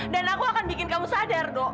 dan aku akan bikin kamu sadar do